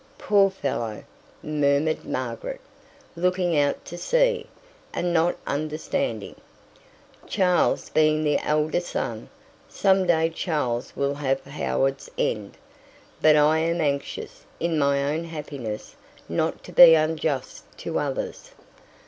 "Poor fellow!" murmured Margaret, looking out to sea, and not understanding. "Charles being the elder son, some day Charles will have Howards End; but I am anxious, in my own happiness, not to be unjust to others."